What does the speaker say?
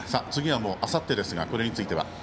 次はあさってですがこれについては。